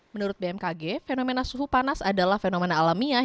menurut bmkg fenomena suhu panas adalah fenomena alamiah